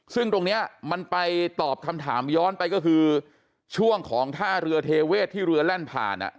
ซึ่งตรงนี้มันไปตอบคำถามย้อนไปก็คือช่วงของท่าเรือเทเวศที่เรือแล่นผ่าน